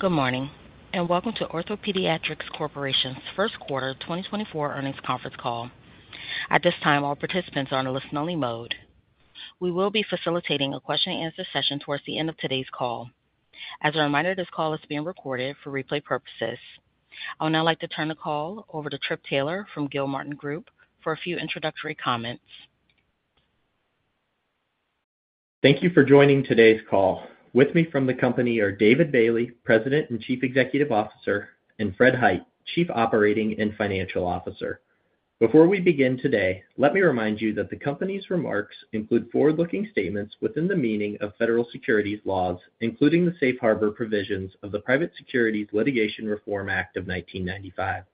Good morning and welcome to OrthoPediatrics Corporation's first quarter 2024 earnings conference call. At this time, all participants are on a listen-only mode. We will be facilitating a question-and-answer session towards the end of today's call. As a reminder, this call is being recorded for replay purposes. I would now like to turn the call over to Trip Taylor from Gilmartin Group for a few introductory comments. Thank you for joining today's call. With me from the company are David Bailey, President and Chief Executive Officer, and Fred Hite, Chief Operating and Financial Officer. Before we begin today, let me remind you that the company's remarks include forward-looking statements within the meaning of federal securities laws, including the Safe Harbor provisions of the Private Securities Litigation Reform Act of 1995.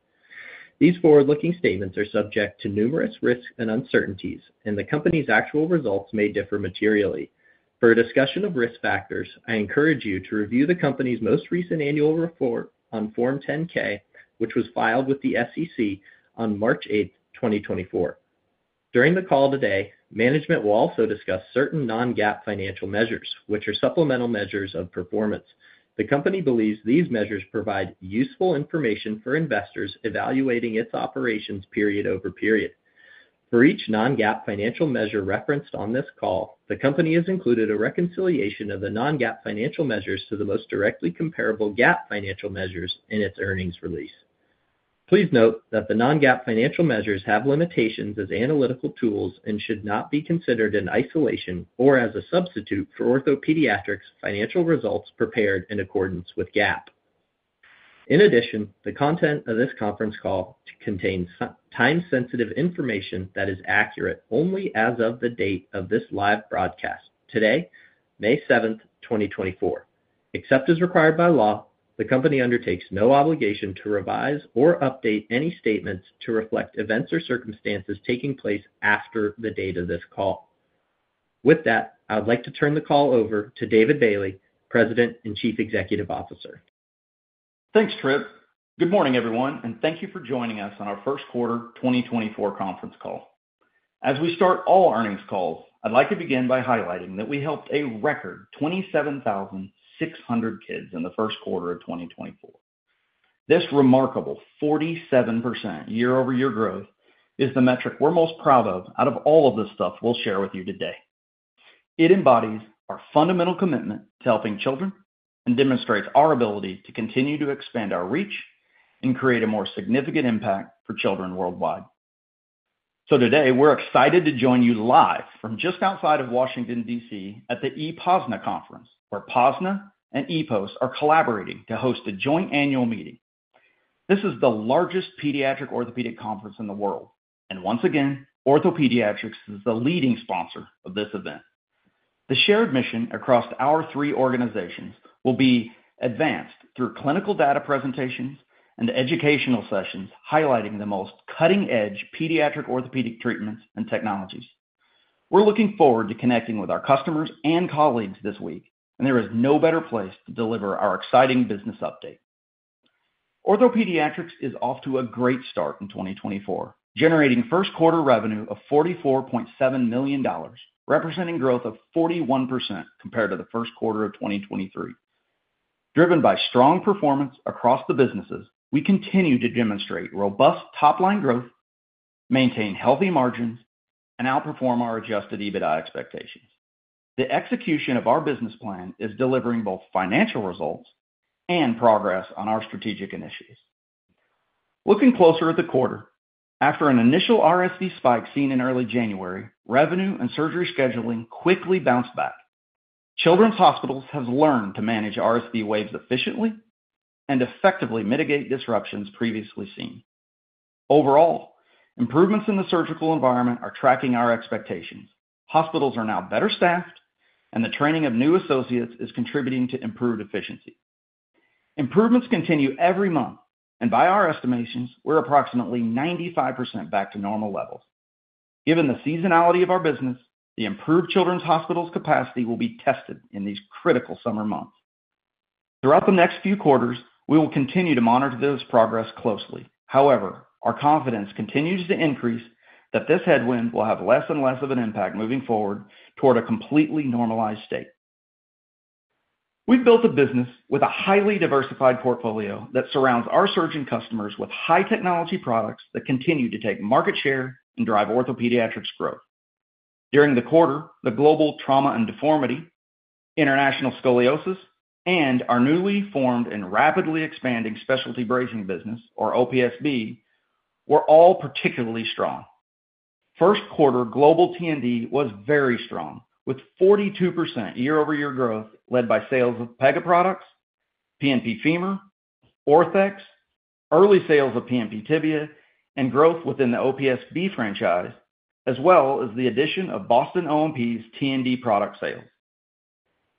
These forward-looking statements are subject to numerous risks and uncertainties, and the company's actual results may differ materially. For a discussion of risk factors, I encourage you to review the company's most recent annual report on Form 10-K, which was filed with the SEC on March 8, 2024. During the call today, management will also discuss certain Non-GAAP financial measures, which are supplemental measures of performance. The company believes these measures provide useful information for investors evaluating its operations period over period. For each non-GAAP financial measure referenced on this call, the company has included a reconciliation of the non-GAAP financial measures to the most directly comparable GAAP financial measures in its earnings release. Please note that the non-GAAP financial measures have limitations as analytical tools and should not be considered in isolation or as a substitute for OrthoPediatrics' financial results prepared in accordance with GAAP. In addition, the content of this conference call contains time-sensitive information that is accurate only as of the date of this live broadcast today, May 7, 2024. Except as required by law, the company undertakes no obligation to revise or update any statements to reflect events or circumstances taking place after the date of this call. With that, I would like to turn the call over to David Bailey, President and Chief Executive Officer. Thanks, Trip. Good morning, everyone, and thank you for joining us on our first quarter 2024 conference call. As we start all earnings calls, I'd like to begin by highlighting that we helped a record 27,600 kids in the first quarter of 2024. This remarkable 47% year-over-year growth is the metric we're most proud of out of all of the stuff we'll share with you today. It embodies our fundamental commitment to helping children and demonstrates our ability to continue to expand our reach and create a more significant impact for children worldwide. So today, we're excited to join you live from just outside of Washington, D.C., at the ePOSNA conference, where POSNA and EPOS are collaborating to host a joint annual meeting. This is the largest pediatric orthopedic conference in the world, and once again, OrthoPediatrics is the leading sponsor of this event. The shared mission across our three organizations will be advanced through clinical data presentations and educational sessions highlighting the most cutting-edge pediatric orthopedic treatments and technologies. We're looking forward to connecting with our customers and colleagues this week, and there is no better place to deliver our exciting business update. OrthoPediatrics is off to a great start in 2024, generating first-quarter revenue of $44.7, representing growth of 41% compared to the first quarter of 2023. Driven by strong performance across the businesses, we continue to demonstrate robust top-line growth, maintain healthy margins, and outperform our Adjusted EBITDA expectations. The execution of our business plan is delivering both financial results and progress on our strategic initiatives. Looking closer at the quarter, after an initial RSV spike seen in early January, revenue and surgery scheduling quickly bounced back. Children's hospitals has learned to manage RSV waves efficiently and effectively mitigate disruptions previously seen. Overall, improvements in the surgical environment are tracking our expectations. Hospitals are now better staffed, and the training of new associates is contributing to improved efficiency. Improvements continue every month, and by our estimations, we're approximately 95% back to normal levels. Given the seasonality of our business, the improved children's hospitals capacity will be tested in these critical summer months. Throughout the next few quarters, we will continue to monitor this progress closely. However, our confidence continues to increase that this headwind will have less and less of an impact moving forward toward a completely normalized state. We've built a business with a highly diversified portfolio that surrounds our surgeon customers with high-technology products that continue to take market share and drive OrthoPediatrics' growth. During the quarter, the global trauma and deformity, international scoliosis, and our newly formed and rapidly expanding specialty bracing business, or OPSB, were all particularly strong. First quarter global T&D was very strong, with 42% year-over-year growth led by sales of PEGA products, PNP Femur, Orthex, early sales of PNP Tibia, and growth within the OPSB franchise, as well as the addition of Boston OMP's T&D product sales.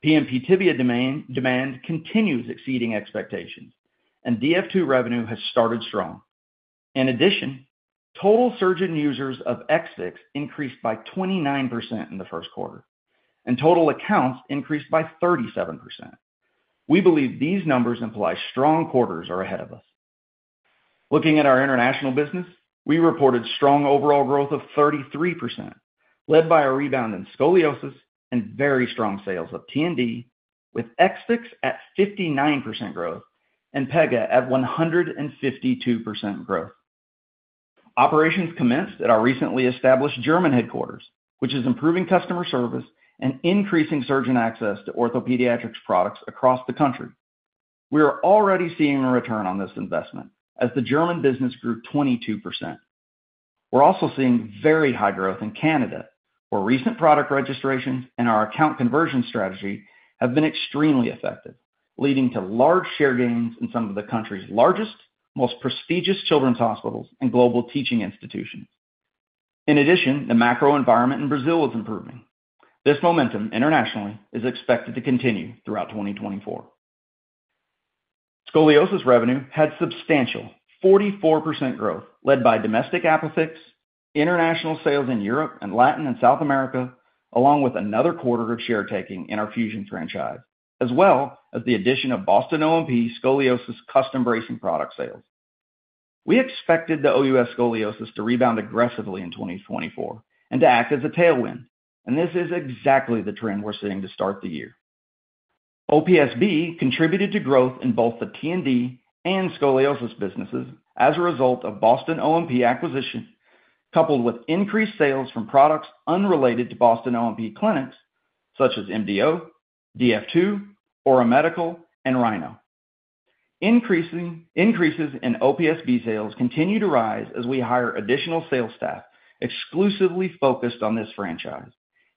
PNP Tibia demand continues exceeding expectations, and DF2 revenue has started strong. In addition, total surgeon users of XFIX increased by 29% in the first quarter, and total accounts increased by 37%. We believe these numbers imply strong quarters are ahead of us. Looking at our international business, we reported strong overall growth of 33%, led by a rebound in scoliosis and very strong sales of T&D, with XFIX at 59% growth and PEGA at 152% growth. Operations commenced at our recently established German headquarters, which is improving customer service and increasing surgeon access to OrthoPediatrics products across the country. We are already seeing a return on this investment, as the German business grew 22%. We're also seeing very high growth in Canada, where recent product registrations and our account conversion strategy have been extremely effective, leading to large share gains in some of the country's largest, most prestigious children's hospitals and global teaching institutions. In addition, the macro environment in Brazil is improving. This momentum internationally is expected to continue throughout 2024. Scoliosis revenue had substantial 44% growth led by domestic ApiFix, international sales in Europe and Latin and South America, along with another quarter of share-taking in our Fusion franchise, as well as the addition of Boston OMP scoliosis custom bracing product sales. We expected the OUS scoliosis to rebound aggressively in 2024 and to act as a tailwind, and this is exactly the trend we're seeing to start the year. OPSB contributed to growth in both the T&D and scoliosis businesses as a result of Boston OMP acquisition, coupled with increased sales from products unrelated to Boston OMP clinics such as MDO, DF2, Aura Medical, and Rhino. Increases in OPSB sales continue to rise as we hire additional sales staff exclusively focused on this franchise,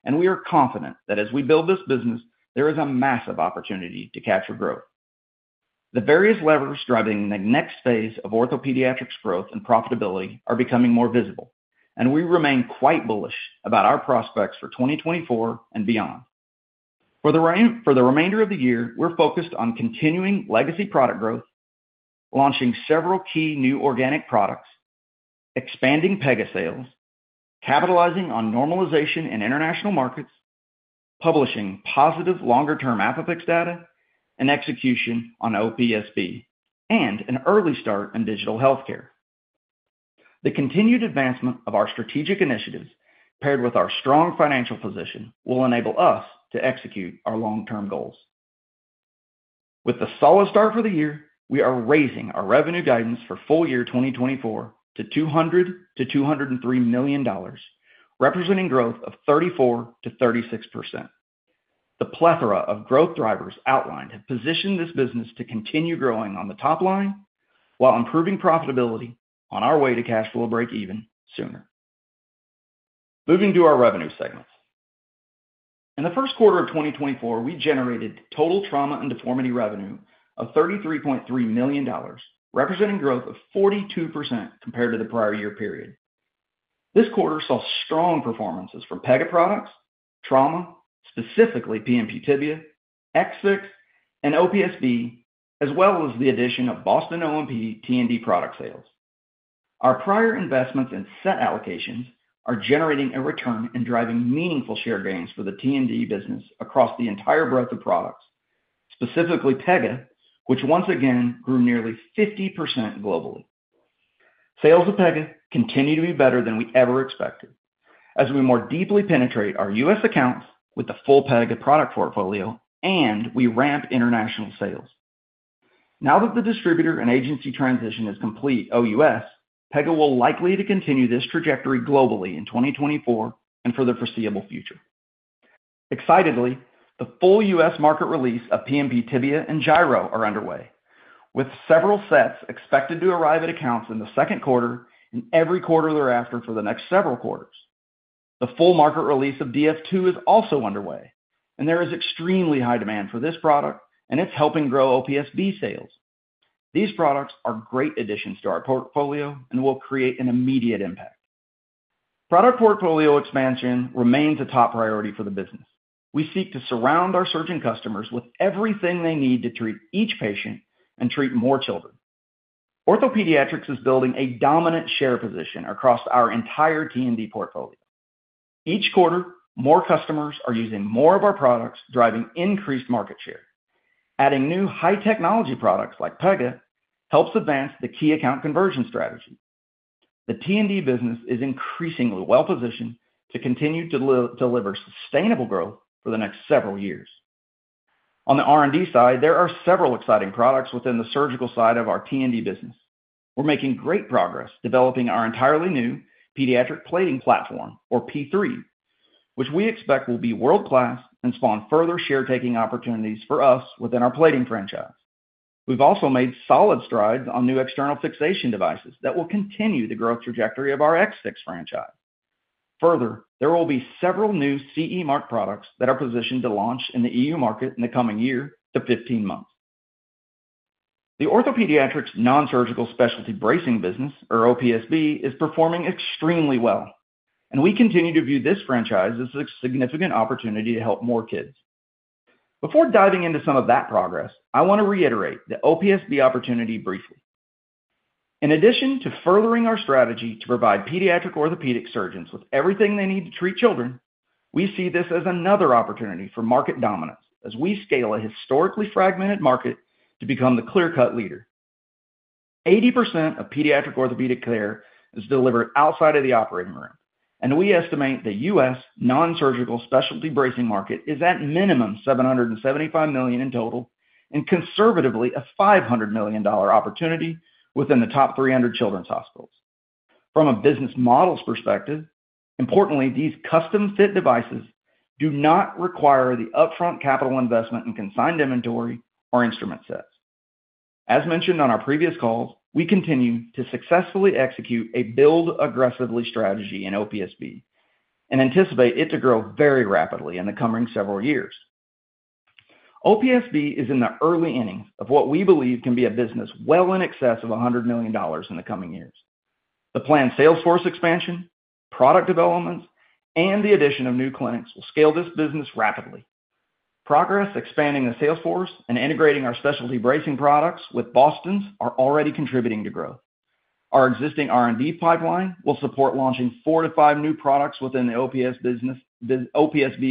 and we are confident that as we build this business, there is a massive opportunity to capture growth. The various levers driving the next phase of OrthoPediatrics' growth and profitability are becoming more visible, and we remain quite bullish about our prospects for 2024 and beyond. For the remainder of the year, we're focused on continuing legacy product growth, launching several key new organic products, expanding PEGA sales, capitalizing on normalization in international markets, publishing positive longer-term ApiFix data, and execution on OPSB, and an early start in digital healthcare. The continued advancement of our strategic initiatives, paired with our strong financial position, will enable us to execute our long-term goals. With the solid start for the year, we are raising our revenue guidance for full year 2024 to $200,000,000-$203,000,000 representing growth of 34%-36%. The plethora of growth drivers outlined have positioned this business to continue growing on the top line while improving profitability on our way to cash flow break-even sooner. Moving to our revenue segments. In the first quarter of 2024, we generated total trauma and deformity revenue of $33.3 million, representing growth of 42% compared to the prior year period. This quarter saw strong performances from PEGA products, trauma, specifically PNP Tibia, XFIX, and OPSB, as well as the addition of Boston OMP T&D product sales. Our prior investments and set allocations are generating a return and driving meaningful share gains for the T&D business across the entire breadth of products, specifically PEGA, which once again grew nearly 50% globally. Sales of PEGA continue to be better than we ever expected as we more deeply penetrate our U.S. accounts with the full PEGA product portfolio and we ramp international sales. Now that the distributor and agency transition is complete, OUS, PEGA will likely continue this trajectory globally in 2024 and for the foreseeable future. Excitedly, the full US market release of PNP Tibia and GIRO are underway, with several sets expected to arrive at accounts in the second quarter and every quarter thereafter for the next several quarters. The full market release of DF2 is also underway, and there is extremely high demand for this product, and it's helping grow OPSB sales. These products are great additions to our portfolio and will create an immediate impact. Product portfolio expansion remains a top priority for the business. We seek to surround our surgeon customers with everything they need to treat each patient and treat more children. OrthoPediatrics is building a dominant share position across our entire T&D portfolio. Each quarter, more customers are using more of our products, driving increased market share. Adding new high-technology products like PEGA helps advance the key account conversion strategy. The T&D business is increasingly well-positioned to continue to deliver sustainable growth for the next several years. On the R&D side, there are several exciting products within the surgical side of our T&D business. We're making great progress developing our entirely new pediatric plating platform, or P3, which we expect will be world-class and spawn further share-taking opportunities for us within our plating franchise. We've also made solid strides on new external fixation devices that will continue the growth trajectory of our XFIX franchise. Further, there will be several new CE mark products that are positioned to launch in the EU market in the coming year to 15 months. The OrthoPediatrics non-surgical specialty bracing business, or OPSB, is performing extremely well, and we continue to view this franchise as a significant opportunity to help more kids. Before diving into some of that progress, I want to reiterate the OPSB opportunity briefly. In addition to furthering our strategy to provide pediatric orthopedic surgeons with everything they need to treat children, we see this as another opportunity for market dominance as we scale a historically fragmented market to become the clear-cut leader. 80% of pediatric orthopedic care is delivered outside of the operating room, and we estimate the U.S. non-surgical specialty bracing market is at minimum $775,000,000 in total and conservatively a $500 million opportunity within the top 300 children's hospitals. From a business models perspective, importantly, these custom-fit devices do not require the upfront capital investment in consigned inventory or instrument sets. As mentioned on our previous calls, we continue to successfully execute a build-aggressively strategy in OPSB and anticipate it to grow very rapidly in the coming several years. OPSB is in the early innings of what we believe can be a business well in excess of $100,0000,000 in the coming years. The planned salesforce expansion, product developments, and the addition of new clinics will scale this business rapidly. Progress expanding the salesforce and integrating our specialty bracing products with Boston's are already contributing to growth. Our existing R&D pipeline will support launching four to five new products within the OPSB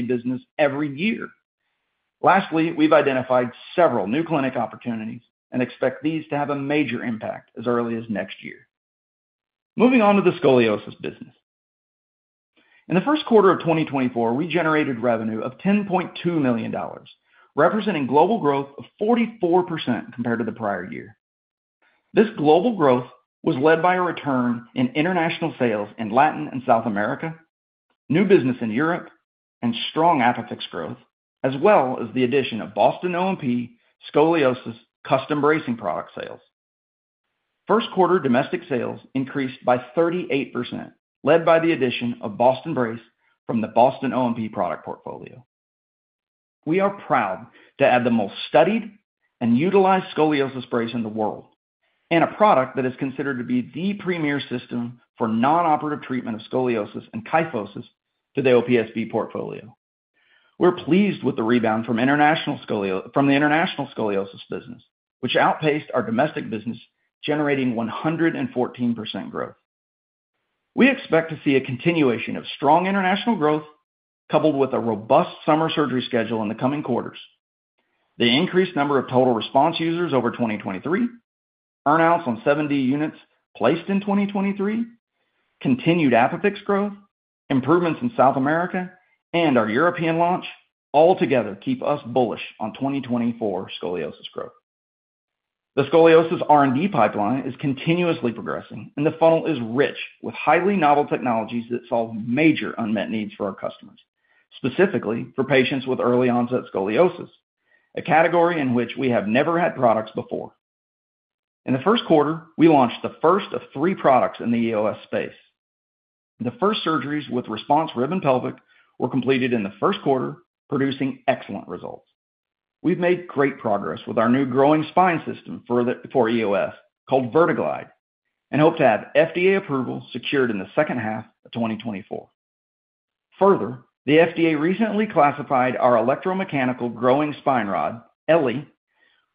business every year. Lastly, we've identified several new clinic opportunities and expect these to have a major impact as early as next year. Moving on to the Scoliosis business. In the first quarter of 2024, we generated revenue of $10.2 million, representing global growth of 44% compared to the prior year. This global growth was led by a return in international sales in Latin and South America, new business in Europe, and strong ApiFix growth, as well as the addition of Boston OMP scoliosis custom bracing product sales. First quarter domestic sales increased by 38%, led by the addition of Boston Brace from the Boston OMP product portfolio. We are proud to add the most studied and utilized scoliosis brace in the world and a product that is considered to be the premier system for non-operative treatment of scoliosis and kyphosis to the OPSB portfolio. We're pleased with the rebound from the international scoliosis business, which outpaced our domestic business, generating 114% growth. We expect to see a continuation of strong international growth coupled with a robust summer surgery schedule in the coming quarters, the increased number of total RESPONSE users over 2023, earnouts on 70 units placed in 2023, continued ApiFix growth, improvements in South America, and our European launch all together keep us bullish on 2024 scoliosis growth. The scoliosis R&D pipeline is continuously progressing, and the funnel is rich with highly novel technologies that solve major unmet needs for our customers, specifically for patients with early-onset scoliosis, a category in which we have never had products before. In the first quarter, we launched the first of three products in the EOS space. The first surgeries with RESPONSE rib and pelvic were completed in the first quarter, producing excellent results. We've made great progress with our new growing spine system for EOS called VertiGlide and hope to have FDA approval secured in the second half of 2024. Further, the FDA recently classified our electromechanical growing spine rod, eLLi,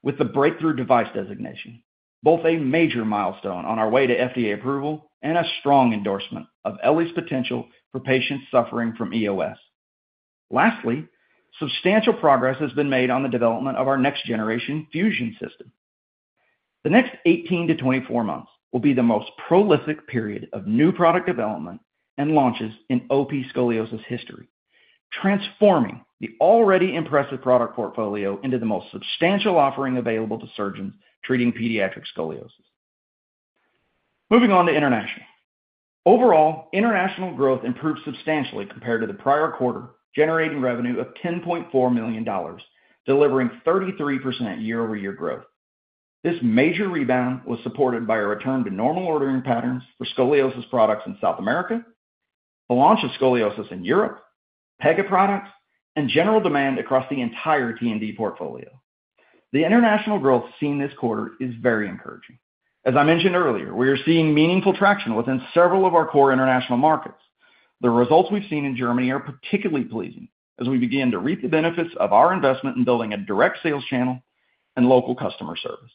with the breakthrough device designation, both a major milestone on our way to FDA approval and a strong endorsement of eLLi's potential for patients suffering from EOS. Lastly, substantial progress has been made on the development of our next-generation Fusion system. The next 18-24 months will be the most prolific period of new product development and launches in OP scoliosis history, transforming the already impressive product portfolio into the most substantial offering available to surgeons treating pediatric scoliosis. Moving on to international. Overall, international growth improved substantially compared to the prior quarter, generating revenue of $10.4 million, delivering 33% year-over-year growth. This major rebound was supported by a return to normal ordering patterns for Scoliosis products in South America, the launch of Scoliosis in Europe, PEGA products, and general demand across the entire T&D portfolio. The international growth seen this quarter is very encouraging. As I mentioned earlier, we are seeing meaningful traction within several of our core international markets. The results we've seen in Germany are particularly pleasing as we begin to reap the benefits of our investment in building a direct sales channel and local customer service.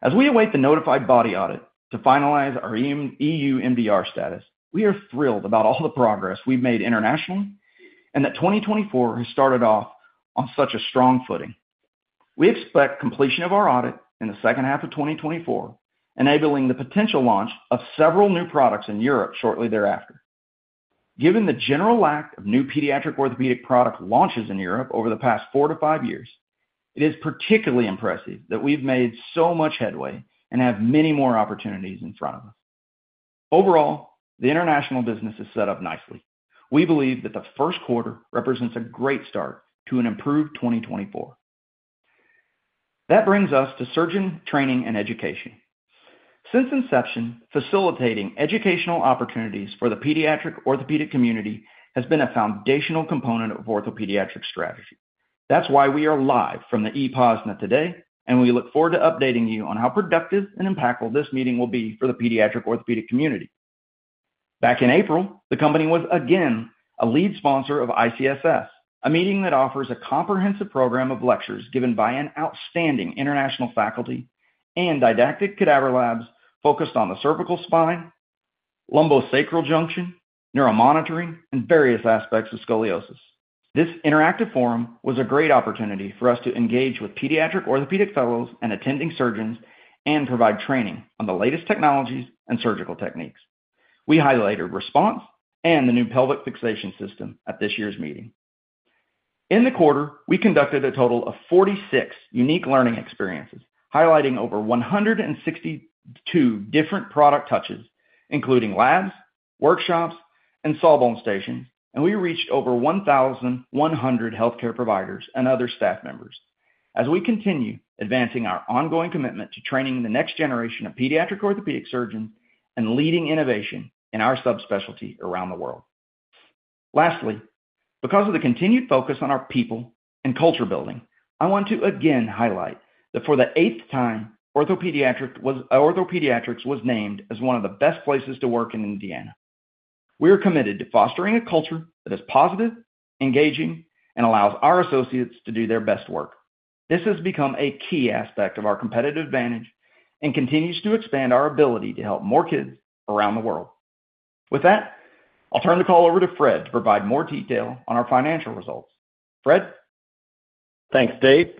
As we await the notified body audit to finalize our EU MDR status, we are thrilled about all the progress we've made internationally and that 2024 has started off on such a strong footing. We expect completion of our audit in the second half of 2024, enabling the potential launch of several new products in Europe shortly thereafter. Given the general lack of new pediatric orthopedic product launches in Europe over the past 4-5 years, it is particularly impressive that we've made so much headway and have many more opportunities in front of us. Overall, the international business is set up nicely. We believe that the first quarter represents a great start to an improved 2024. That brings us to surgeon training and education. Since inception, facilitating educational opportunities for the pediatric orthopedic community has been a foundational component of OrthoPediatrics' strategy. That's why we are live from the EPAUSNET today, and we look forward to updating you on how productive and impactful this meeting will be for the pediatric orthopedic community. Back in April, the company was again a lead sponsor of ICSS, a meeting that offers a comprehensive program of lectures given by an outstanding international faculty and didactic cadaver labs focused on the cervical spine, lumbosacral junction, neuromonitoring, and various aspects of scoliosis. This interactive forum was a great opportunity for us to engage with pediatric orthopedic fellows and attending surgeons and provide training on the latest technologies and surgical techniques. We highlighted RESPONSE and the new pelvic fixation system at this year's meeting. In the quarter, we conducted a total of 46 unique learning experiences, highlighting over 162 different product touches, including labs, workshops, and sawbone stations, and we reached over 1,100 healthcare providers and other staff members as we continue advancing our ongoing commitment to training the next generation of pediatric orthopedic surgeons and leading innovation in our subspecialty around the world. Lastly, because of the continued focus on our people and culture building, I want to again highlight that for the eighth time, OrthoPediatrics was named as one of the best places to work in Indiana. We are committed to fostering a culture that is positive, engaging, and allows our associates to do their best work. This has become a key aspect of our competitive advantage and continues to expand our ability to help more kids around the world. With that, I'll turn the call over to Fred to provide more detail on our financial results. Fred? Thanks, Dave.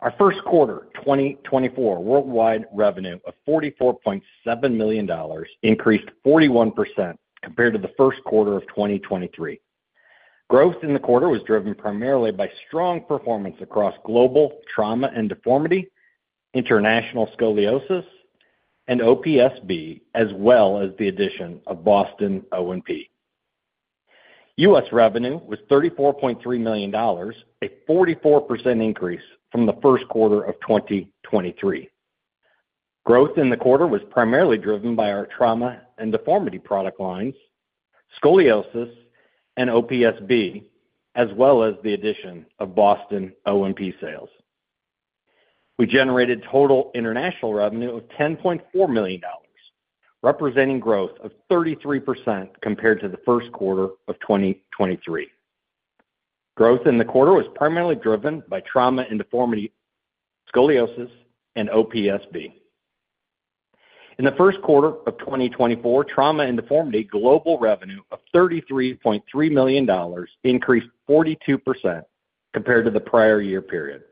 Our first quarter, 2024, worldwide revenue of $44.7 million increased 41% compared to the first quarter of 2023. Growth in the quarter was driven primarily by strong performance across global trauma and deformity, international scoliosis, and OPSB, as well as the addition of Boston OMP. U.S. revenue was $34.3 million, a 44% increase from the first quarter of 2023. Growth in the quarter was primarily driven by our Trauma and Deformity product lines, Scoliosis, and OPSB, as well as the addition of Boston OMP sales. We generated total international revenue of $10.4 million, representing growth of 33% compared to the first quarter of 2023. Growth in the quarter was primarily driven by Trauma and Deformity, Scoliosis, and OPSB. In the first quarter of 2024, Trauma and Deformity global revenue of $33.3 million increased 42% compared to the prior year period.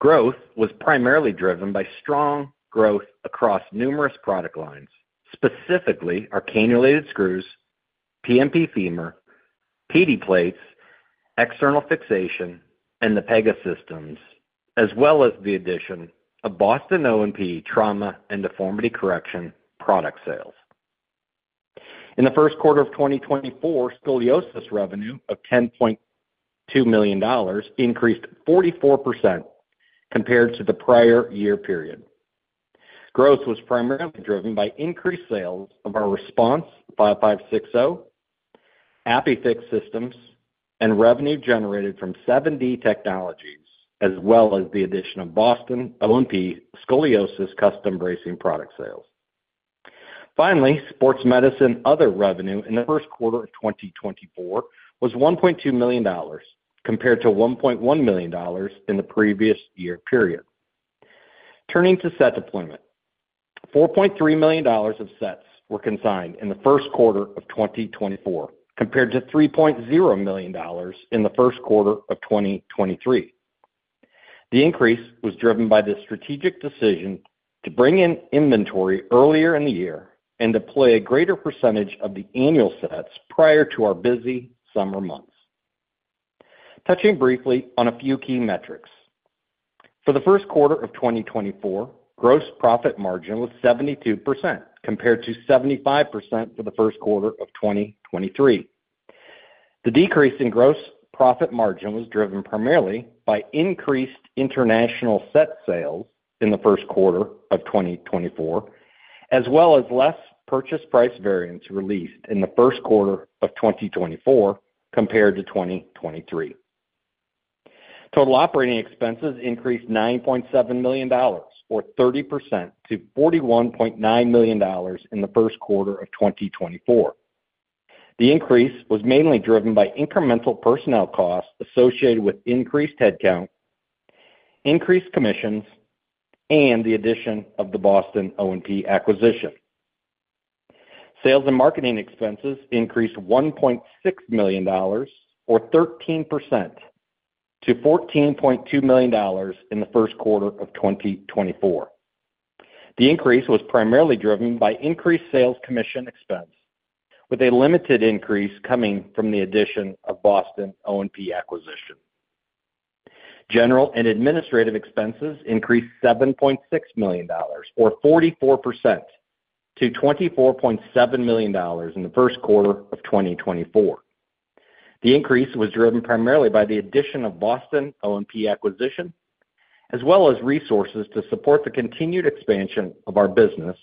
Growth was primarily driven by strong growth across numerous product lines, specifically our cannulated screws, PNP femur, P3 plates, external fixation, and the PEGA systems, as well as the addition of Boston OMP Trauma and Deformity correction product sales. In the first quarter of 2024, scoliosis revenue of $10.2 million increased 44% compared to the prior year period. Growth was primarily driven by increased sales of our RESPONSE 5560, ApiFix systems, and revenue generated from 7D technologies, as well as the addition of Boston OMP scoliosis custom bracing product sales. Finally, Sports Medicine other revenue in the first quarter of 2024 was $1.2 million compared to $1.1 million in the previous year period. Turning to set deployment, $4.3 million of sets were consigned in the first quarter of 2024 compared to $3.0 million in the first quarter of 2023. The increase was driven by the strategic decision to bring in inventory earlier in the year and deploy a greater percentage of the annual sets prior to our busy summer months. Touching briefly on a few key metrics. For the first quarter of 2024, gross profit margin was 72% compared to 75% for the first quarter of 2023. The decrease in gross profit margin was driven primarily by increased international net sales in the first quarter of 2024, as well as less purchase price variance released in the first quarter of 2024 compared to 2023. Total operating expenses increased $9.7 million or 30% to $41.9 million in the first quarter of 2024. The increase was mainly driven by incremental personnel costs associated with increased headcount, increased commissions, and the addition of the Boston OMP acquisition. Sales and marketing expenses increased $1.6 million or 13% to $14.2 million in the first quarter of 2024. The increase was primarily driven by increased sales commission expense, with a limited increase coming from the addition of Boston OMP acquisition. General and administrative expenses increased $7.6 million or 44% to $24.7 million in the first quarter of 2024. The increase was driven primarily by the addition of Boston OMP acquisition, as well as resources to support the continued expansion of our business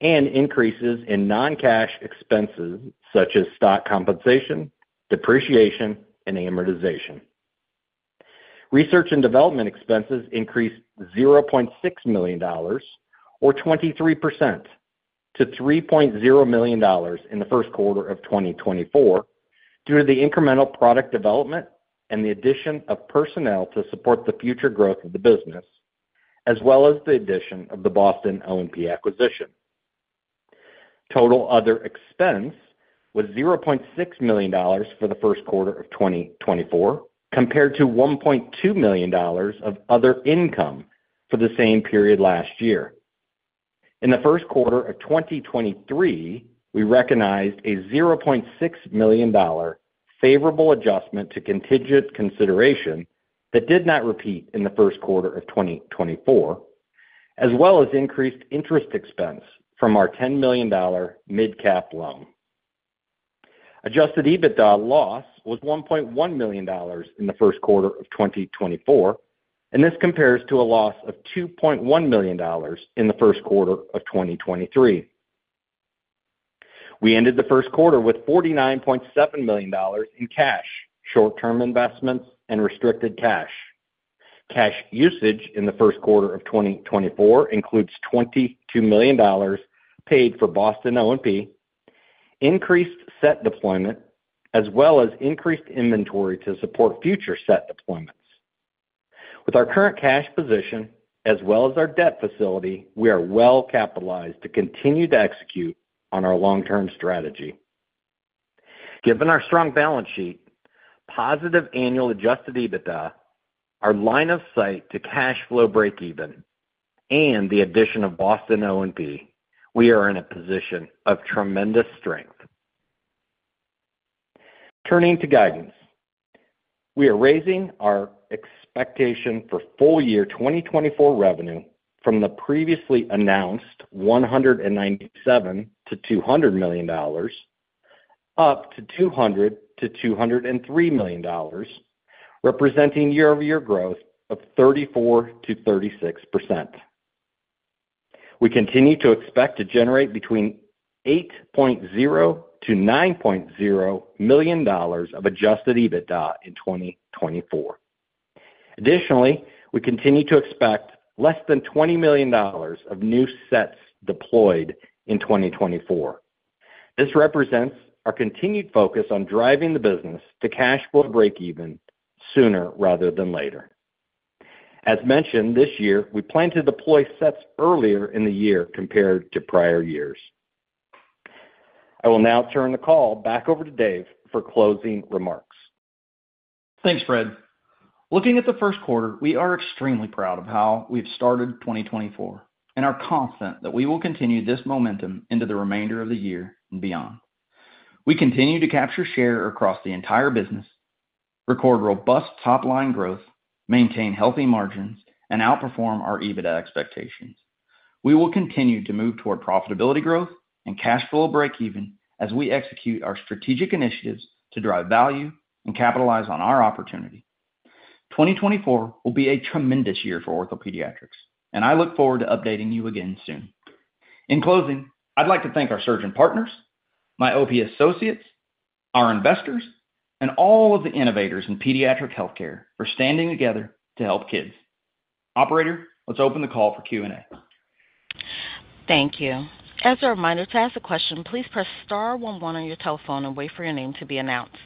and increases in non-cash expenses such as stock compensation, depreciation, and amortization. Research and development expenses increased $0.6 million or 23% to $3.0 million in the first quarter of 2024 due to the incremental product development and the addition of personnel to support the future growth of the business, as well as the addition of the Boston OMP acquisition. Total other expense was $0.6 million for the first quarter of 2024 compared to $1.2 million of other income for the same period last year. In the first quarter of 2023, we recognized a $0.6 million favorable adjustment to contingent consideration that did not repeat in the first quarter of 2024, as well as increased interest expense from our $10 million mid-cap loan. Adjusted EBITDA loss was $1.1 million in the first quarter of 2024, and this compares to a loss of $2.1 million in the first quarter of 2023. We ended the first quarter with $49.7 million in cash, short-term investments, and restricted cash. Cash usage in the first quarter of 2024 includes $22 million paid for Boston OMP, increased set deployment, as well as increased inventory to support future set deployments. With our current cash position as well as our debt facility, we are well capitalized to continue to execute on our long-term strategy. Given our strong balance sheet, positive annual adjusted EBITDA, our line of sight to cash flow breakeven, and the addition of Boston OMP, we are in a position of tremendous strength. Turning to guidance. We are raising our expectation for full-year 2024 revenue from the previously announced $197-$200 million up to $200-$203 million, representing year-over-year growth of 34%-36%. We continue to expect to generate between $8.0-$9.0 million of adjusted EBITDA in 2024. Additionally, we continue to expect less than $20 million of new sets deployed in 2024. This represents our continued focus on driving the business to cash flow breakeven sooner rather than later. As mentioned, this year, we plan to deploy sets earlier in the year compared to prior years. I will now turn the call back over to Dave for closing remarks. Thanks, Fred. Looking at the first quarter, we are extremely proud of how we've started 2024 and are confident that we will continue this momentum into the remainder of the year and beyond. We continue to capture share across the entire business, record robust top-line growth, maintain healthy margins, and outperform our EBITDA expectations. We will continue to move toward profitability growth and cash flow breakeven as we execute our strategic initiatives to drive value and capitalize on our opportunity. 2024 will be a tremendous year for OrthoPediatrics, and I look forward to updating you again soon. In closing, I'd like to thank our surgeon partners, my OP associates, our investors, and all of the innovators in pediatric healthcare for standing together to help kids. Operator, let's open the call for Q&A. Thank you. As a reminder, to ask a question, please press star 11 on your telephone and wait for your name to be announced.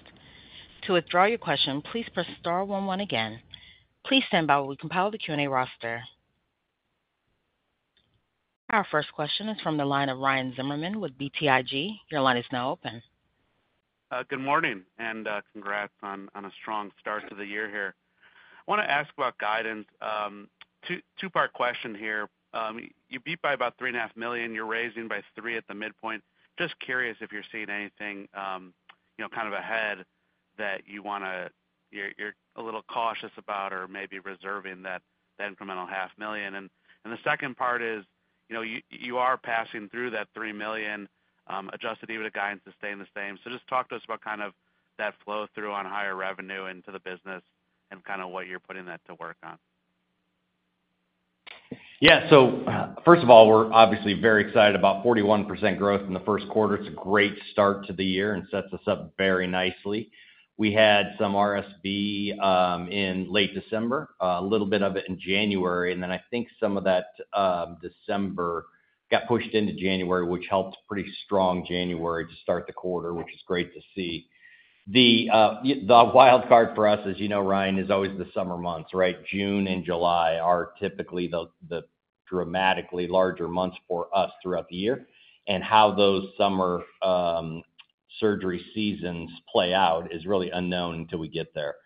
To withdraw your question, please press star 11 again. Please stand by while we compile the Q&A roster. Our first question is from the line of Ryan Zimmerman with BTIG. Your line is now open. Good morning and congrats on a strong start to the year here. I want to ask about guidance. Two-part question here. You beat by about $3.5 million. You're raising by $3 million at the midpoint. Just curious if you're seeing anything kind of ahead that you want to you're a little cautious about or maybe reserving that incremental $0.5 million. And the second part is you are passing through that $3 million Adjusted EBITDA guidance to staying the same. So just talk to us about kind of that flow-through on higher revenue into the business and kind of what you're putting that to work on? Yeah. So first of all, we're obviously very excited about 41% growth in the first quarter. It's a great start to the year and sets us up very nicely. We had some RSV in late December, a little bit of it in January, and then I think some of that December got pushed into January, which helped pretty strong January to start the quarter, which is great to see. The wild card for us, as you know, Ryan, is always the summer months, right? June and July are typically the dramatically larger months for us throughout the year. And how those summer surgery seasons play out is really unknown until we get there.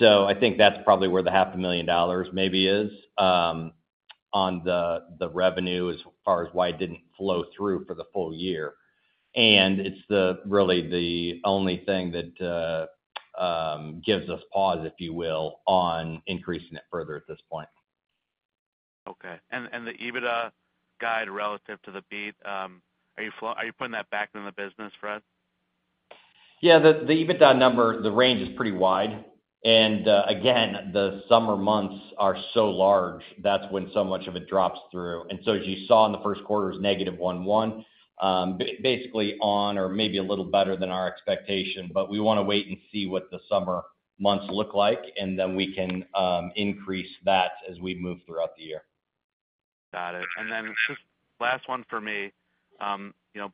So I think that's probably where the $500,000 maybe is on the revenue as far as why it didn't flow through for the full year. It's really the only thing that gives us pause, if you will, on increasing it further at this point. Okay. The EBITDA guide relative to the beat, are you putting that back into the business, Fred? Yeah. The EBITDA number, the range is pretty wide. Again, the summer months are so large, that's when so much of it drops through. So as you saw in the first quarter, it was -$11 million, basically on or maybe a little better than our expectation. But we want to wait and see what the summer months look like, and then we can increase that as we move throughout the year. Got it. Then just last one for me.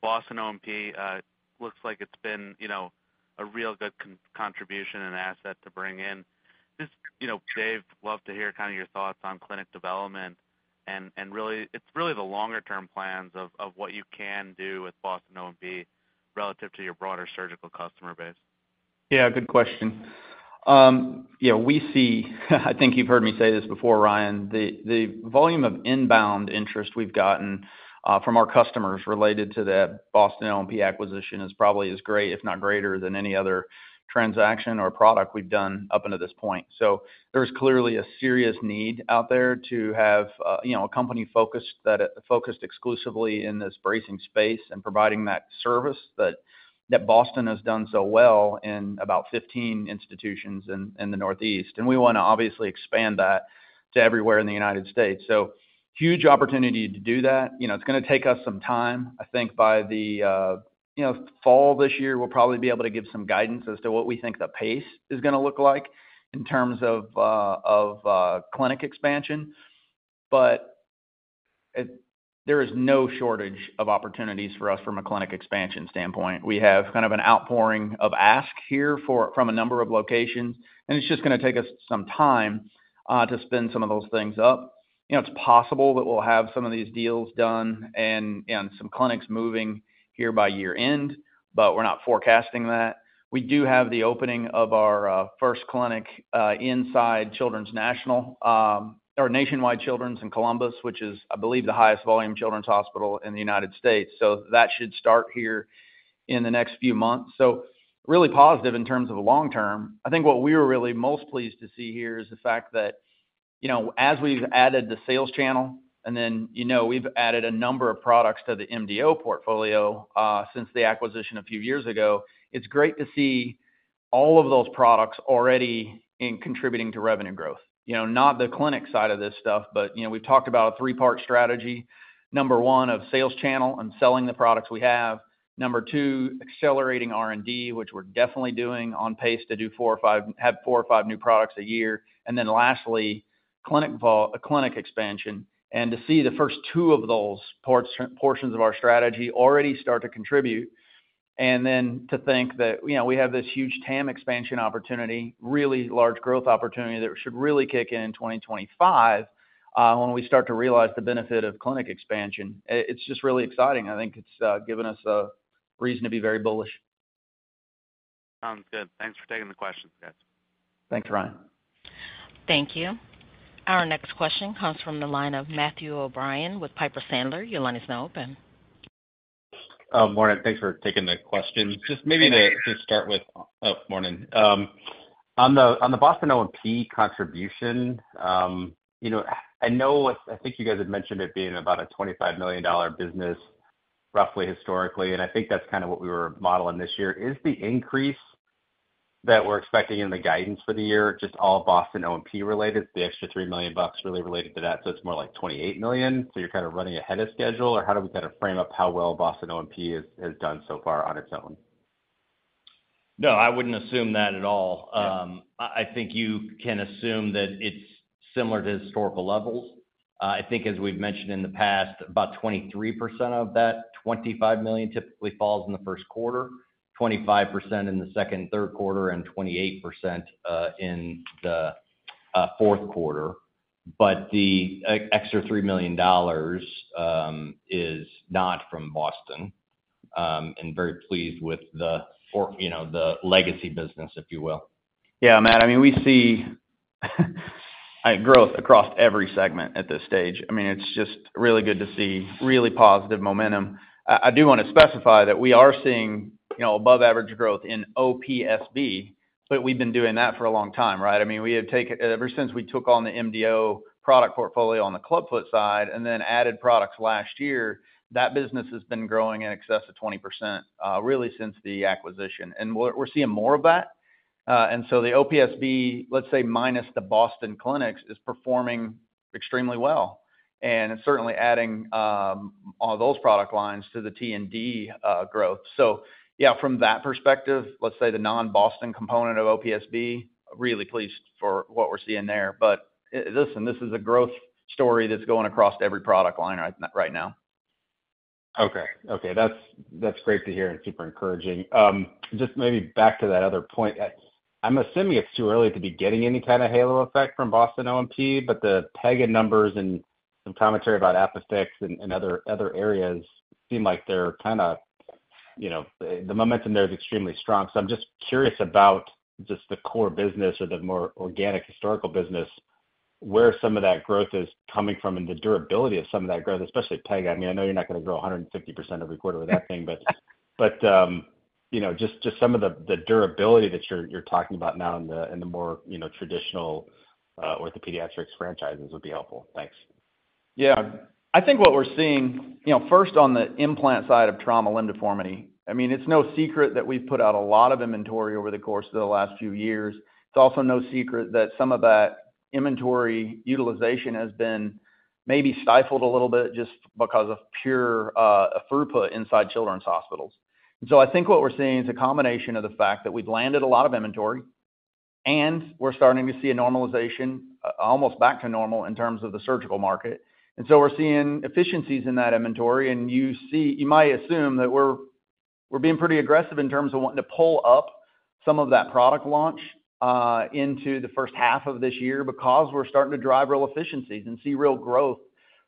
Boston OMP looks like it's been a real good contribution and asset to bring in. Just, Dave, love to hear kind of your thoughts on clinic development. It's really the longer-term plans of what you can do with Boston OMP relative to your broader surgical customer base. Yeah. Good question. Yeah. I think you've heard me say this before, Ryan. The volume of inbound interest we've gotten from our customers related to the Boston OMP acquisition is probably as great, if not greater, than any other transaction or product we've done up until this point. So there's clearly a serious need out there to have a company focused exclusively in this bracing space and providing that service that Boston has done so well in about 15 institutions in the Northeast. We want to obviously expand that to everywhere in the United States. So huge opportunity to do that. It's going to take us some time. I think by the fall this year, we'll probably be able to give some guidance as to what we think the pace is going to look like in terms of clinic expansion. But there is no shortage of opportunities for us from a clinic expansion standpoint. We have kind of an outpouring of ask here from a number of locations, and it's just going to take us some time to spin some of those things up. It's possible that we'll have some of these deals done and some clinics moving here by year-end, but we're not forecasting that. We do have the opening of our first clinic inside Nationwide Children's Hospital in Columbus, which is, I believe, the highest volume children's hospital in the United States. So that should start here in the next few months. So really positive in terms of long-term. I think what we were really most pleased to see here is the fact that as we've added the sales channel and then we've added a number of products to the MDO portfolio since the acquisition a few years ago, it's great to see all of those products already contributing to revenue growth. Not the clinic side of this stuff, but we've talked about a three-part strategy. Number one, of sales channel and selling the products we have. Number two, accelerating R&D, which we're definitely doing on pace to do four or five have four or five new products a year. And then lastly, clinic expansion and to see the first two of those portions of our strategy already start to contribute. And then to think that we have this huge TAM expansion opportunity, really large growth opportunity that should really kick in in 2025 when we start to realize the benefit of clinic expansion. It's just really exciting. I think it's given us a reason to be very bullish. Sounds good. Thanks for taking the questions, guys. Thanks, Ryan. Thank you. Our next question comes from the line of Matthew O'Brien with Piper Sandler. Your line is now open. Morning. Thanks for taking the questions. Just maybe to start with oh, morning. On the Boston OMP contribution, I know I think you guys had mentioned it being about a $25 million business roughly historically, and I think that's kind of what we were modeling this year. Is the increase that we're expecting in the guidance for the year just all Boston OMP-related? The extra $3 million really related to that, so it's more like $28 million. So you're kind of running ahead of schedule, or how do we kind of frame up how well Boston OMP has done so far on its own? No, I wouldn't assume that at all. I think you can assume that it's similar to historical levels. I think, as we've mentioned in the past, about 23% of that $25 million typically falls in the first quarter, 25% in the second and third quarter, and 28% in the fourth quarter. But the extra $3 million is not from Boston, and very pleased with the legacy business, if you will. Yeah, Matt. I mean, we see growth across every segment at this stage. I mean, it's just really good to see really positive momentum. I do want to specify that we are seeing above-average growth in OPSB, but we've been doing that for a long time, right? I mean, ever since we took on the MDO product portfolio on the clubfoot side and then added products last year, that business has been growing in excess of 20% really since the acquisition. And we're seeing more of that. And so the OPSB, let's say minus the Boston clinics, is performing extremely well. And it's certainly adding all those product lines to the T&D growth. So yeah, from that perspective, let's say the non-Boston component of OPSB. Really pleased for what we're seeing there. But listen, this is a growth story that's going across every product line right now. Okay. Okay. That's great to hear and super encouraging. Just maybe back to that other point. I'm assuming it's too early to be getting any kind of halo effect from Boston OMP, but the PEGA numbers and some commentary about ApiFix and other areas seem like they're kind of the momentum there is extremely strong. So I'm just curious about just the core business or the more organic historical business, where some of that growth is coming from and the durability of some of that growth, especially PEGA. I mean, I know you're not going to grow 150% every quarter with that thing, but just some of the durability that you're talking about now in the more traditional OrthoPediatrics franchises would be helpful. Thanks. Yeah. I think what we're seeing first on the implant side of trauma limb deformity, I mean, it's no secret that we've put out a lot of inventory over the course of the last few years. It's also no secret that some of that inventory utilization has been maybe stifled a little bit just because of pure throughput inside children's hospitals. And so I think what we're seeing is a combination of the fact that we've landed a lot of inventory, and we're starting to see a normalization, almost back to normal in terms of the surgical market. And so we're seeing efficiencies in that inventory. And you might assume that we're being pretty aggressive in terms of wanting to pull up some of that product launch into the first half of this year because we're starting to drive real efficiencies and see real growth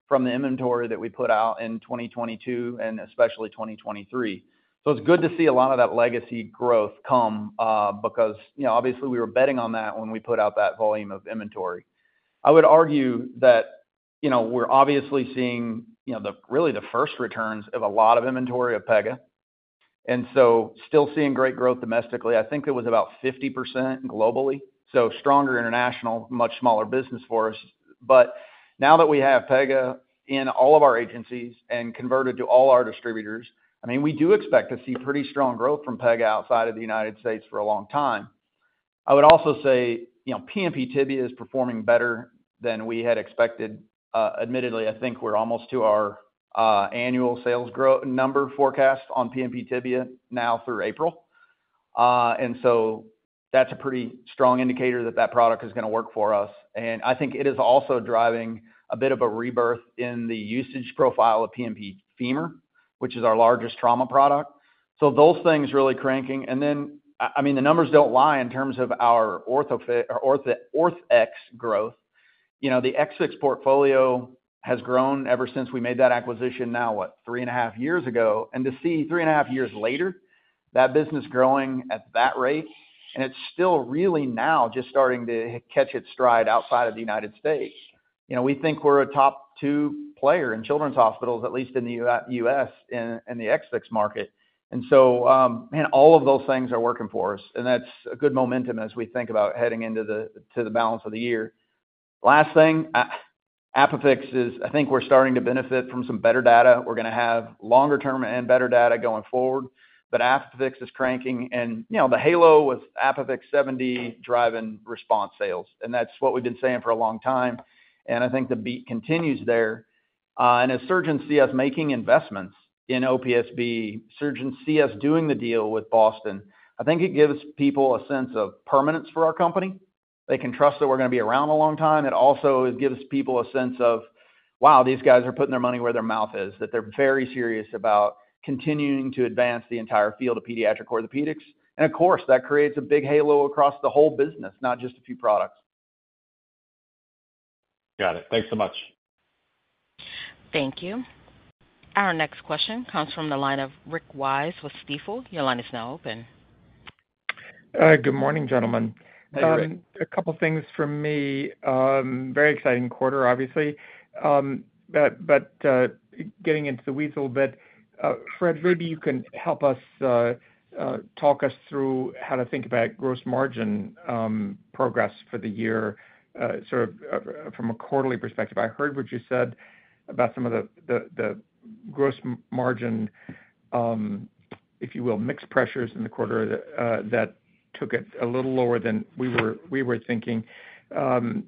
from the inventory that we put out in 2022 and especially 2023. So it's good to see a lot of that legacy growth come because obviously, we were betting on that when we put out that volume of inventory. I would argue that we're obviously seeing really the first returns of a lot of inventory of PEGA. And so still seeing great growth domestically. I think it was about 50% globally. So stronger international, much smaller business for us. But now that we have PEGA in all of our agencies and converted to all our distributors, I mean, we do expect to see pretty strong growth from PEGA outside of the United States for a long time. I would also say PNP Tibia is performing better than we had expected. Admittedly, I think we're almost to our annual sales number forecast on PNP Tibia now through April. And so that's a pretty strong indicator that that product is going to work for us. And I think it is also driving a bit of a rebirth in the usage profile of PNP Femur, which is our largest trauma product. So those things really cranking. And then, I mean, the numbers don't lie in terms of our Orthex growth. The XFIX portfolio has grown ever since we made that acquisition now, what, 3.5 years ago? And to see 3.5 years later that business growing at that rate, and it's still really now just starting to catch its stride outside of the United States. We think we're a top two player in children's hospitals, at least in the U.S. and the XFIX market. And so, man, all of those things are working for us. And that's a good momentum as we think about heading into the balance of the year. Last thing, ApiFix is, I think, we're starting to benefit from some better data. We're going to have longer-term and better data going forward. But ApiFix is cranking. And the halo was ApiFix driving RESPONSE sales. And that's what we've been saying for a long time. And I think the beat continues there. And as surgeons see us making investments in OPSB, surgeons see us doing the deal with Boston, I think it gives people a sense of permanence for our company. They can trust that we're going to be around a long time. It also gives people a sense of, "Wow, these guys are putting their money where their mouth is," that they're very serious about continuing to advance the entire field of pediatric orthopedics. And of course, that creates a big halo across the whole business, not just a few products. Got it. Thanks so much. Thank you. Our next question comes from the line of Rick Wise with Stifel. Your line is now open. Good morning, gentlemen. A couple of things for me. Very exciting quarter, obviously. But getting into the weeds a little bit, Fred, maybe you can help us talk us through how to think about gross margin progress for the year sort of from a quarterly perspective. I heard what you said about some of the gross margin, if you will, mixed pressures in the quarter that took it a little lower than we were thinking. The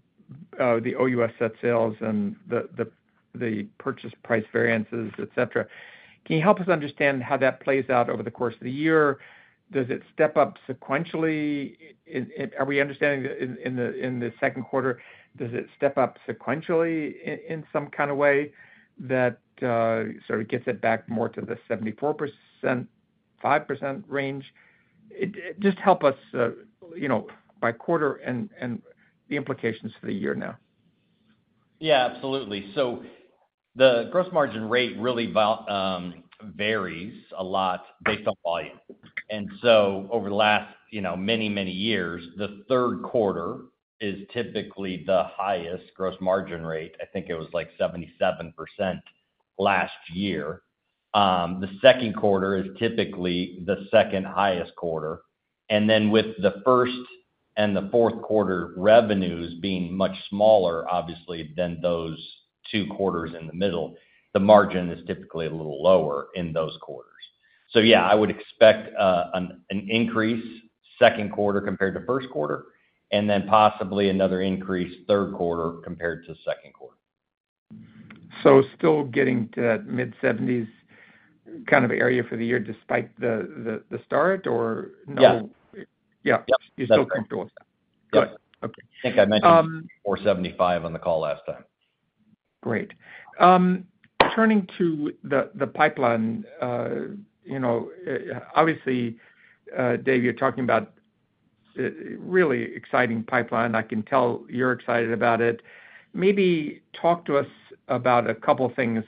OUS set sales and the purchase price variances, etc. Can you help us understand how that plays out over the course of the year? Does it step up sequentially? Are we understanding that in the second quarter, does it steps up sequentially in some kind of way that sort of gets it back more to the 74%-75% range? Just help us by quarter and the implications for the year now. Yeah, absolutely. So the gross margin rate really varies a lot based on volume. And so over the last many, many years, the third quarter is typically the highest gross margin rate. I think it was like 77% last year. The second quarter is typically the second highest quarter. And then with the first and the fourth quarter revenues being much smaller, obviously, than those two quarters in the middle, the margin is typically a little lower in those quarters. So yeah, I would expect an increase second quarter compared to first quarter and then possibly another increase third quarter compared to second quarter. So still getting to that mid-70s kind of area for the year despite the start, or no? Yeah. Yeah. You're still comfortable with that? Yeah. I think I mentioned $475 on the call last time. Great. Turning to the pipeline, obviously, Dave, you're talking about really exciting pipeline. I can tell you're excited about it. Maybe talk to us about a couple of things,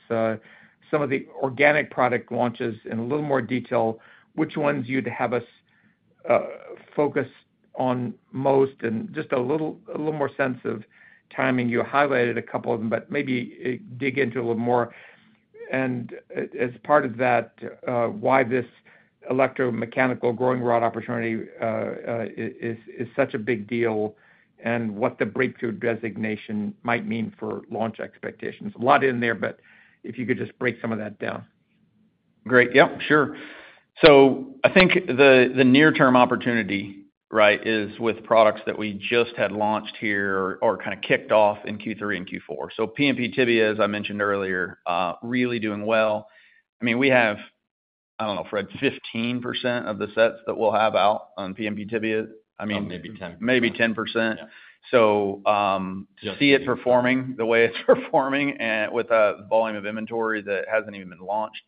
some of the organic product launches in a little more detail, which ones you'd have us focus on most and just a little more sense of timing. You highlighted a couple of them, but maybe dig into a little more and as part of that, why this electromechanical growing rod opportunity is such a big deal and what the breakthrough designation might mean for launch expectations. A lot in there, but if you could just break some of that down. Great. Yep. Sure. So I think the near-term opportunity, right, is with products that we just had launched here or kind of kicked off in Q3 and Q4. So PNP Tibia, as I mentioned earlier, really doing well. I mean, we have, I don't know, Fred, 15% of the sets that we'll have out on PNP Tibia. I mean, maybe 10%. So see it performing the way it's performing with a volume of inventory that hasn't even been launched.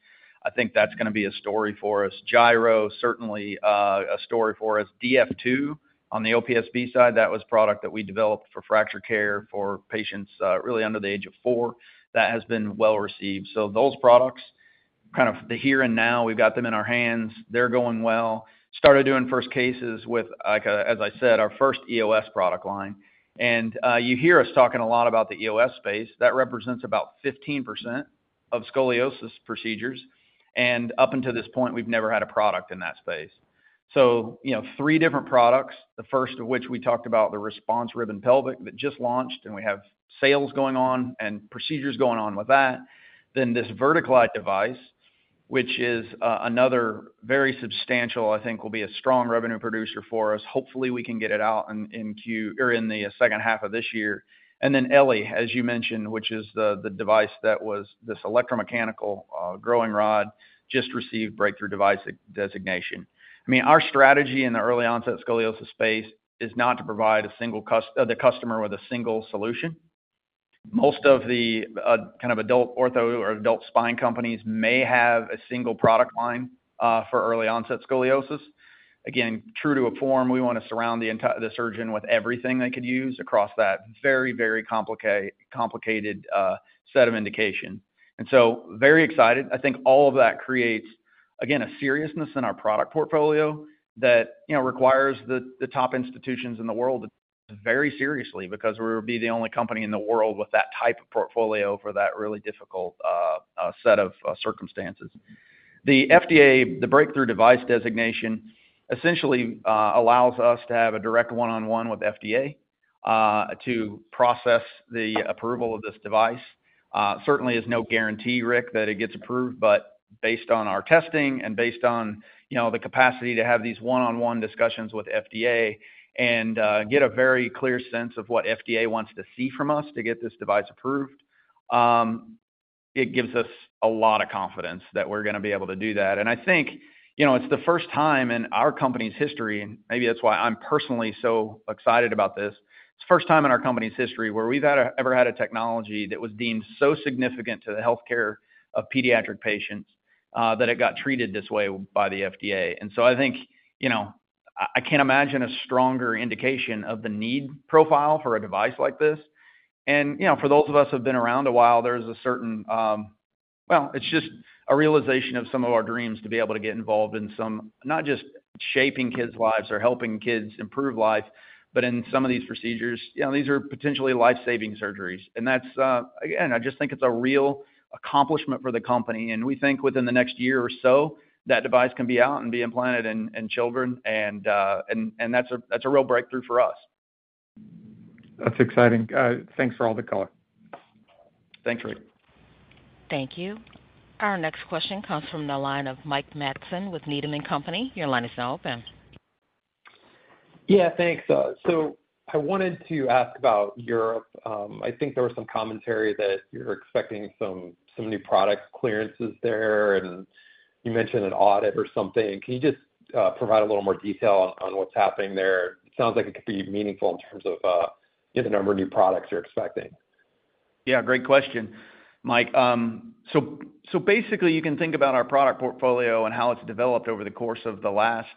I think that's going to be a story for us. GIRO, certainly a story for us. DF2 on the OPSB side, that was a product that we developed for fracture care for patients really under the age of four. That has been well received. So those products, kind of the here and now, we've got them in our hands. They're going well. Started doing first cases with, as I said, our first EOS product line. And you hear us talking a lot about the EOS space. That represents about 15% of scoliosis procedures. And up until this point, we've never had a product in that space. So three different products, the first of which we talked about the RESPONSE Rib and Pelvic that just launched, and we have sales going on and procedures going on with that, then this VertiGlide device, which is another very substantial, I think, will be a strong revenue producer for us. Hopefully, we can get it out in the second half of this year. And then eLLi, as you mentioned, which is the device that was this electromechanical growing rod, just received breakthrough device designation. I mean, our strategy in the early onset scoliosis space is not to provide the customer with a single solution. Most of the kind of adult ortho or adult spine companies may have a single product line for early onset scoliosis. Again, true to form, we want to surround the surgeon with everything they could use across that very, very complicated set of indications. And so very excited. I think all of that creates, again, a seriousness in our product portfolio that requires the top institutions in the world to take this very seriously because we would be the only company in the world with that type of portfolio for that really difficult set of circumstances. The FDA, the Breakthrough Device Designation, essentially allows us to have a direct one-on-one with FDA to process the approval of this device. Certainly, there's no guarantee, Rick, that it gets approved, but based on our testing and based on the capacity to have these one-on-one discussions with FDA and get a very clear sense of what FDA wants to see from us to get this device approved, it gives us a lot of confidence that we're going to be able to do that. I think it's the first time in our company's history and maybe that's why I'm personally so excited about this. It's the first time in our company's history where we've ever had a technology that was deemed so significant to the healthcare of pediatric patients that it got treated this way by the FDA. So I think I can't imagine a stronger indication of the need profile for a device like this. For those of us who have been around a while, there's a certain well, it's just a realization of some of our dreams to be able to get involved in some not just shaping kids' lives or helping kids improve life, but in some of these procedures. These are potentially life-saving surgeries. Again, I just think it's a real accomplishment for the company. We think within the next year or so, that device can be out and be implanted in children. That's a real breakthrough for us. That's exciting. Thanks for all the color. Thanks, Rick. Thank you. Our next question comes from the line of Mike Matson with Needham & Company. Your line is now open. Yeah. Thanks. I wanted to ask about Europe. I think there was some commentary that you're expecting some new product clearances there. You mentioned an audit or something. Can you just provide a little more detail on what's happening there? It sounds like it could be meaningful in terms of the number of new products you're expecting. Yeah. Great question, Mike. So basically, you can think about our product portfolio and how it's developed over the course of the last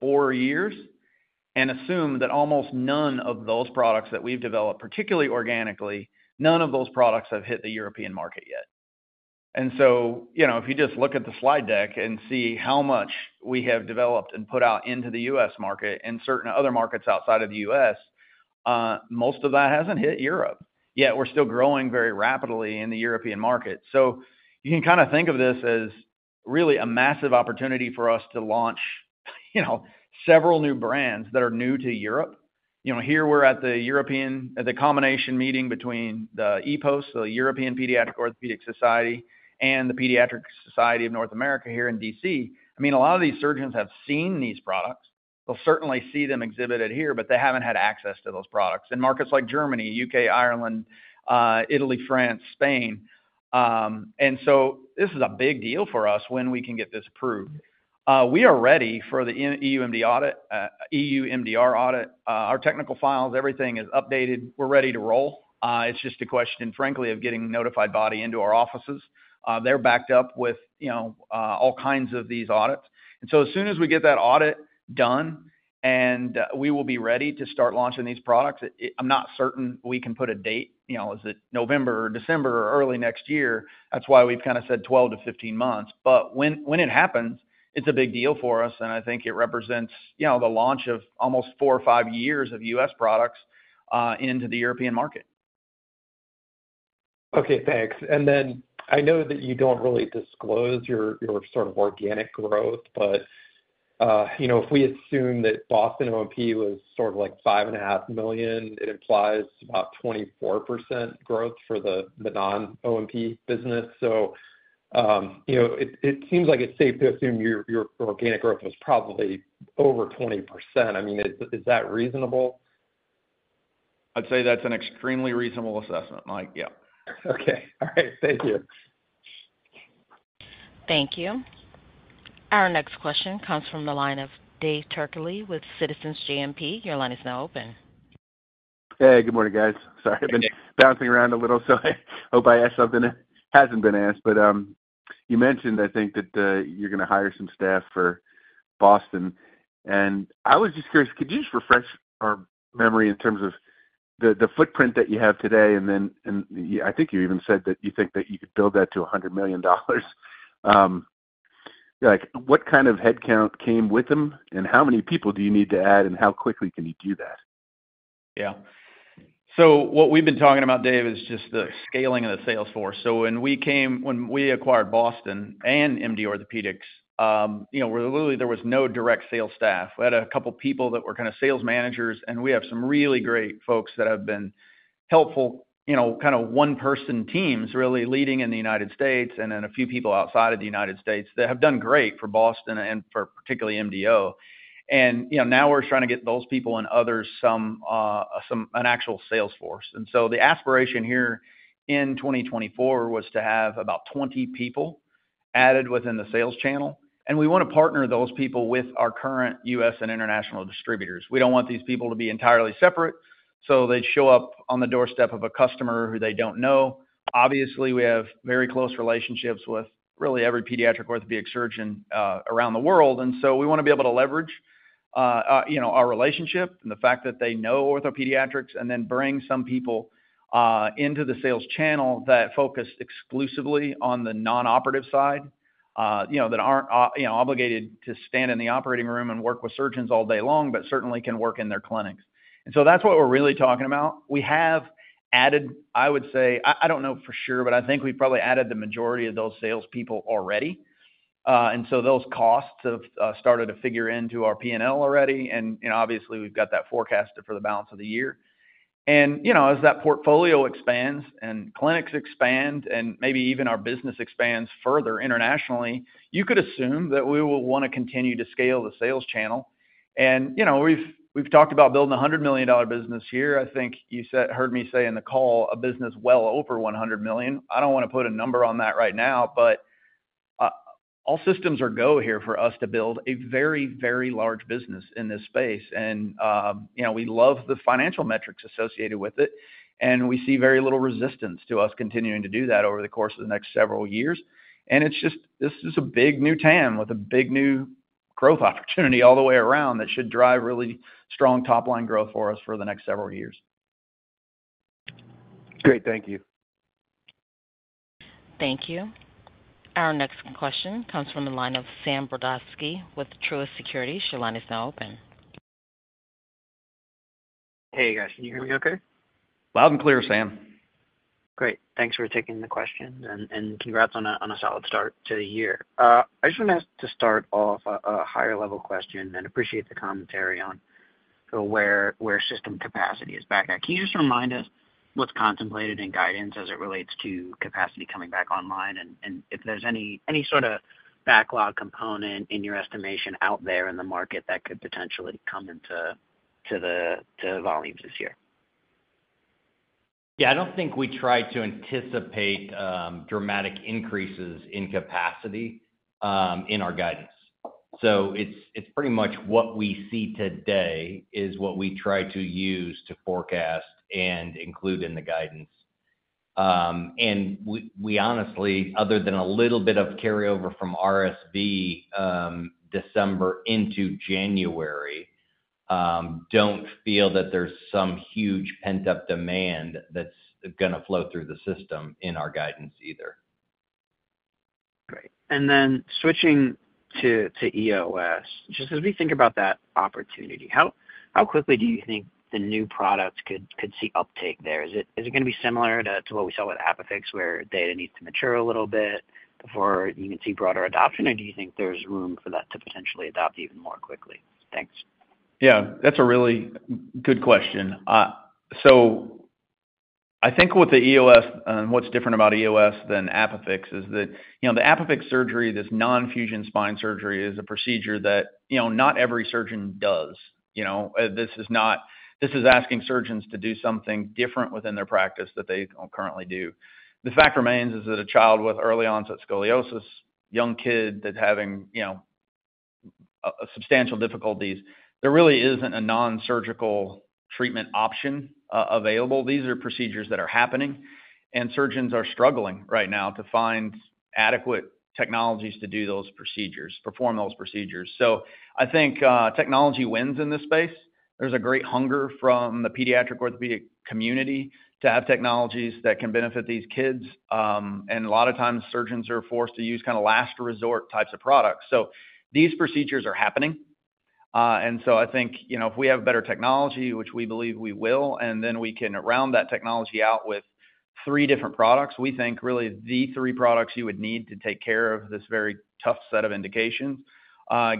four years and assume that almost none of those products that we've developed, particularly organically, none of those products have hit the European market yet. And so if you just look at the slide deck and see how much we have developed and put out into the U.S. market and certain other markets outside of the U.S., most of that hasn't hit Europe. Yet, we're still growing very rapidly in the European market. So you can kind of think of this as really a massive opportunity for us to launch several new brands that are new to Europe. Here, we're at the combination meeting between the EPOS, the European Paediatric Orthopaedic Society, and the Pediatric Society of North America here in D.C. I mean, a lot of these surgeons have seen these products. They'll certainly see them exhibited here, but they haven't had access to those products in markets like Germany, U.K., Ireland, Italy, France, Spain. And so this is a big deal for us when we can get this approved. We are ready for the EU MDR audit. Our technical files, everything is updated. We're ready to roll. It's just a question, frankly, of getting notified body into our offices. They're backed up with all kinds of these audits. And so as soon as we get that audit done and we will be ready to start launching these products, I'm not certain we can put a date. Is it November or December or early next year? That's why we've kind of said 12-15 months. But when it happens, it's a big deal for us. And I think it represents the launch of almost four or five years of US products into the European market. Okay. Thanks. And then I know that you don't really disclose your sort of organic growth, but if we assume that Boston OMP was sort of like $5.5 million, it implies about 24% growth for the non-OMP business. So it seems like it's safe to assume your organic growth was probably over 20%. I mean, is that reasonable? I'd say that's an extremely reasonable assessment, Mike. Yeah. Okay. All right. Thank you. Thank you. Our next question comes from the line of Dave Turkaly with Citizens JMP. Your line is now open. Hey. Good morning, guys. Sorry. I've been bouncing around a little. So I hope I asked something that hasn't been asked. But you mentioned, I think, that you're going to hire some staff for Boston. I was just curious, could you just refresh our memory in terms of the footprint that you have today? And then I think you even said that you think that you could build that to $100 million. What kind of headcount came with them, and how many people do you need to add, and how quickly can you do that? Yeah. So what we've been talking about, Dave, is just the scaling of the sales force. So when we acquired Boston and MD Orthopaedics, really, there was no direct sales staff. We had a couple of people that were kind of sales managers. And we have some really great folks that have been helpful, kind of one-person teams really leading in the United States and then a few people outside of the United States that have done great for Boston and particularly MDO. And now we're trying to get those people and others an actual sales force. So the aspiration here in 2024 was to have about 20 people added within the sales channel. And we want to partner those people with our current U.S. and international distributors. We don't want these people to be entirely separate. So they'd show up on the doorstep of a customer who they don't know. Obviously, we have very close relationships with really every pediatric orthopedic surgeon around the world. And so we want to be able to leverage our relationship and the fact that they know OrthoPediatrics and then bring some people into the sales channel that focus exclusively on the non-operative side, that aren't obligated to stand in the operating room and work with surgeons all day long, but certainly can work in their clinics. And so that's what we're really talking about. We have added, I would say I don't know for sure, but I think we've probably added the majority of those salespeople already. And so those costs have started to figure into our P&L already. And obviously, we've got that forecasted for the balance of the year. And as that portfolio expands and clinics expand and maybe even our business expands further internationally, you could assume that we will want to continue to scale the sales channel. And we've talked about building a $100 million business here. I think you heard me say in the call a business well over $100 million. I don't want to put a number on that right now, but all systems are go here for us to build a very, very large business in this space. And we love the financial metrics associated with it. We see very little resistance to us continuing to do that over the course of the next several years. And this is a big new TAM with a big new growth opportunity all the way around that should drive really strong top-line growth for us for the next several years. Great. Thank you. Thank you. Our next question comes from the line of Sam Brodovsky with Truist Securities. Your line is now open. Hey, guys. Can you hear me okay? Loud and clear, Sam. Great. Thanks for taking the questions. And congrats on a solid start to the year. I just want to start off a higher-level question and appreciate the commentary on where system capacity is back at. Can you just remind us what's contemplated in guidance as it relates to capacity coming back online and if there's any sort of backlog component in your estimation out there in the market that could potentially come into the volumes this year? Yeah. I don't think we tried to anticipate dramatic increases in capacity in our guidance. So it's pretty much what we see today is what we try to use to forecast and include in the guidance. And we honestly, other than a little bit of carryover from RSV December into January, don't feel that there's some huge pent-up demand that's going to flow through the system in our guidance either. Great. And then switching to EOS, just as we think about that opportunity, how quickly do you think the new products could see uptake there? Is it going to be similar to what we saw with ApiFix where data needs to mature a little bit before you can see broader adoption, or do you think there's room for that to potentially adopt even more quickly? Thanks. Yeah. That's a really good question. So I think with the EOS, and what's different about EOS than ApiFix is that the ApiFix surgery, this non-fusion spine surgery, is a procedure that not every surgeon does. This is asking surgeons to do something different within their practice that they don't currently do. The fact remains is that a child with early onset scoliosis, a young kid that's having substantial difficulties, there really isn't a nonsurgical treatment option available. These are procedures that are happening. And surgeons are struggling right now to find adequate technologies to perform those procedures. So I think technology wins in this space. There's a great hunger from the pediatric orthopedic community to have technologies that can benefit these kids. And a lot of times, surgeons are forced to use kind of last-resort types of products. So these procedures are happening. And so I think if we have better technology, which we believe we will, and then we can round that technology out with three different products, we think really the three products you would need to take care of this very tough set of indications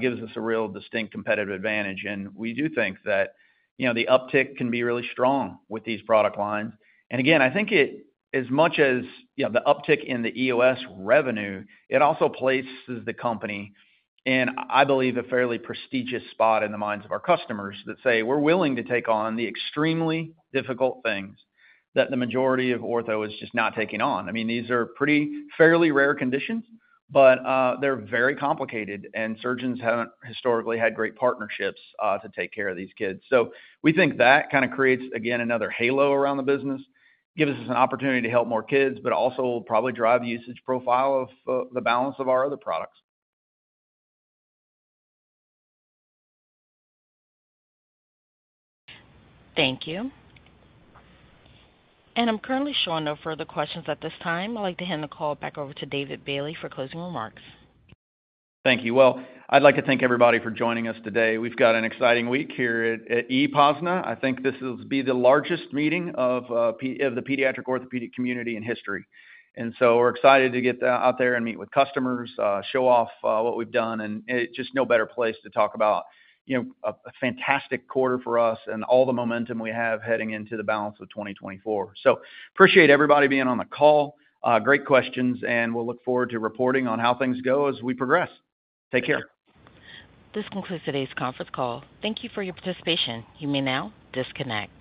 gives us a real distinct competitive advantage. And we do think that the uptick can be really strong with these product lines. And again, I think as much as the uptick in the EOS revenue, it also places the company in, I believe, a fairly prestigious spot in the minds of our customers that say, "We're willing to take on the extremely difficult things that the majority of ortho is just not taking on." I mean, these are fairly rare conditions, but they're very complicated. And surgeons haven't historically had great partnerships to take care of these kids. So we think that kind of creates, again, another halo around the business, gives us an opportunity to help more kids, but also will probably drive usage profile of the balance of our other products. Thank you. And I'm currently showing no further questions at this time. I'd like to hand the call back over to David Bailey for closing remarks. Thank you. Well, I'd like to thank everybody for joining us today. We've got an exciting week here at ePOSNA. I think this will be the largest meeting of the pediatric orthopedic community in history. And so we're excited to get out there and meet with customers, show off what we've done. And just no better place to talk about a fantastic quarter for us and all the momentum we have heading into the balance of 2024. So appreciate everybody being on the call. Great questions. And we'll look forward to reporting on how things go as we progress. Take care. This concludes today's conference call. Thank you for your participation. You may now disconnect.